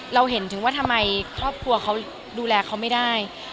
เราเห็นถึงว่าทำไมครอบครัวเขาดูแลเขาไม่ได้